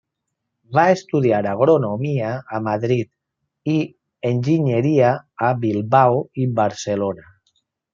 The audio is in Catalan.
Va estudiar agronomia a Madrid i enginyeria a Bilbao i Barcelona.